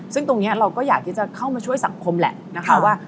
ซึ่งตรงนี้เราก็อยากที่จะเข้ามาช่วยสังคมแหละนะคะว่า